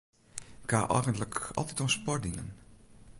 Ik ha eigentlik altyd oan sport dien.